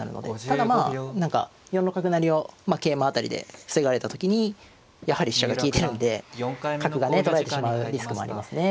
ただまあ何か４六角成を桂馬辺りで防がれた時にやはり飛車が利いてるんで角がね取られてしまうリスクもありますね。